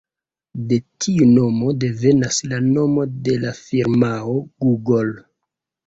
De tiu nomo devenas la nomo de la firmao Google.